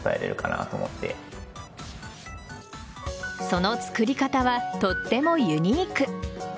その作り方はとってもユニーク。